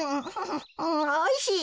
おいしい。